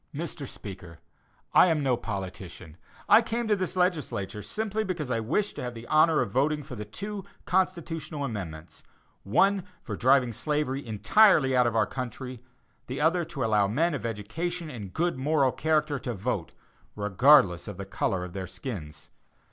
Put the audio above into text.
Mr. Speaker: I am no politician, I came to this legislature simply because I wished to have the honor of voting for the two constitutional amendments one for driving slavery entirely out of our country; the other to allow men of education and good moral character to vote, regardless of the color of their skins.